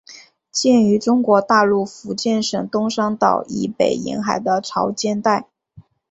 见于中国大陆福建省东山岛以北沿海的潮间带。